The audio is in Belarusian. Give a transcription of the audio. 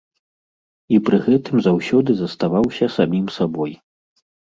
І пры гэтым заўсёды заставаўся самім сабой.